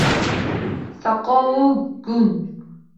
Saqovu gung